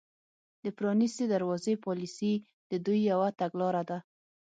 د پرانیستې دروازې پالیسي د دوی یوه تګلاره ده